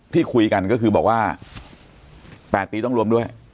ที่คุยกันก็คือบอกว่า๘ปีต้องรวมด้วย